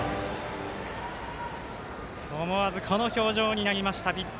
思わず、この表情になりました。